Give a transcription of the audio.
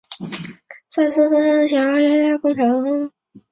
陆钦侃是知名的反对三峡工程上马的代表人物。